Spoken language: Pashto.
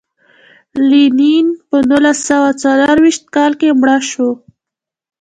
لینین په نولس سوه څلور ویشت کال کې مړ شو.